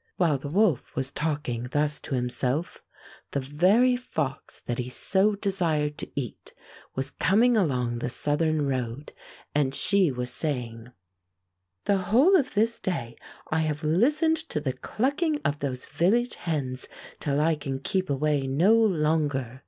'' While the wolf was talking thus to him self, the very fox that he so desired to eat was coming along the southern road, and she was saying: "The whole of this day I have listened to the clucking of those village hens till I can keep away no longer.